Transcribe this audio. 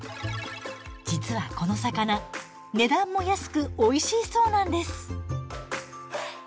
実はこの魚値段も安くおいしいそうなんです。